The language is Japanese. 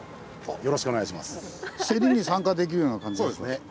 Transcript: よろしくお願いします。